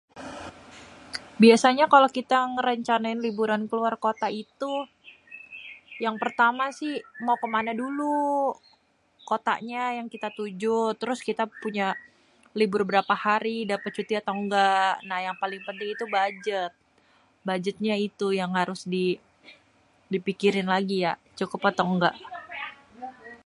biasanya kalo kitè rencana liburan keluar kota itu yang pertama si mau kemana dulu kota nya yang kita tujuh trus kita libur berapa hari dapèt cuti apa engga nah yang paling penting itu bajet, bajetnya itu yang harus di pikirin lagi cukup atau èngga